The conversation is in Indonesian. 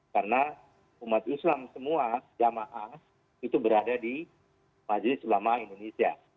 karena umat islam semua jamaah itu berada di majelis selama indonesia